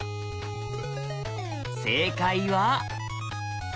正解は。